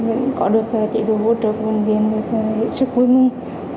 em có được chế độ hỗ trợ của bệnh viện rất vui mừng